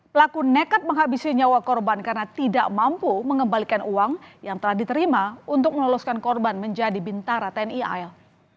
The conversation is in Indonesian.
pelaku nekat menghabisi nyawa korban karena tidak mampu mengembalikan uang yang telah diterima untuk meloloskan korban menjadi bintara tni al